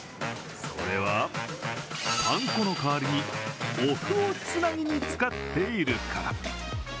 それは、パン粉の代わりにおふをつなぎに使っているから。